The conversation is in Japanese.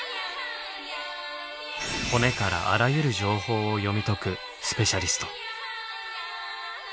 骨からあらゆる情報を読み解くスペシャリスト。